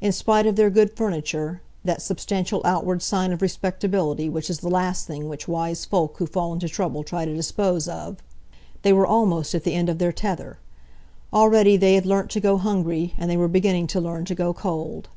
In spite of their good furniture—that substantial outward sign of respectability which is the last thing which wise folk who fall into trouble try to dispose of—they were almost at the end of their tether. Already they had learnt to go hungry, and they were beginning to learn to go cold.